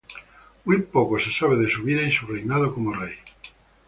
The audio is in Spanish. Muy poco se sabe de su vida y su reinado como rey.